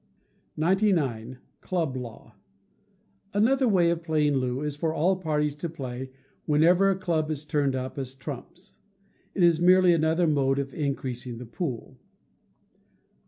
99. Club Law. Another way of playing Loo is for all the parties to play whenever a club is turned up as trumps. It is merely another mode of increasing the pool.